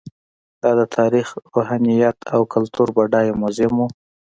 دا د تاریخ، روحانیت او کلتور بډایه موزیم و.